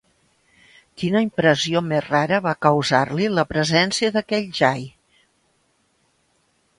Quina impressió més rara va causar-li la presència d'aquell jai!